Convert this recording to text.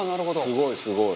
「すごいすごい！」